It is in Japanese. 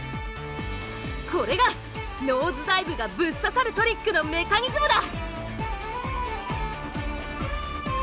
これがノーズダイブがぶっ刺さるトリックのメカニズムだ！